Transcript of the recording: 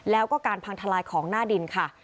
แล้วก็การพังทลายของหน้าดินค่ะ